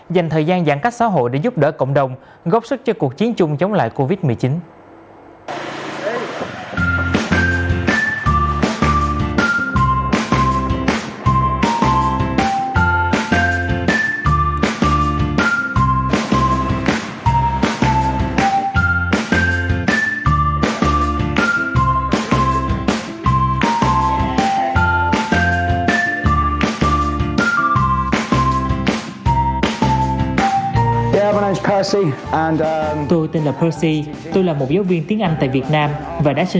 dành thời gian giãn cách xã hội để giúp đỡ cộng đồng góp sức cho cuộc chiến chung chống lại covid một mươi chín